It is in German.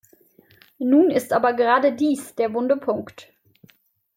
Nun ist aber gerade dies der wunde Punkt.